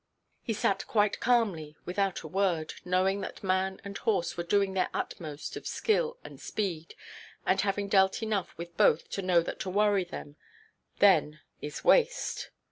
He sat quite calmly, without a word, knowing that man and horse were doing their utmost of skill and speed, and having dealt enough with both to know that to worry them then is waste.